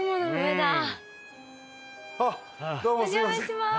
伊達：お邪魔します。